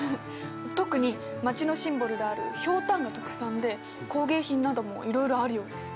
特に町のシンボルであるひょうたんが特産で工芸品などもいろいろあるようです。